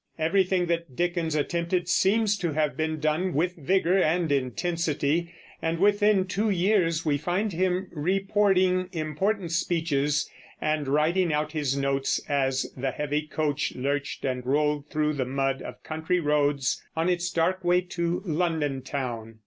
Everything that Dickens attempted seems to have been done with vigor and intensity, and within two years we find him reporting important speeches, and writing out his notes as the heavy coach lurched and rolled through the mud of country roads on its dark way to London town.